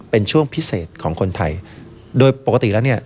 เป็นช่วงพิเศษของคนไทยโดยปกติแล้วเนี่ย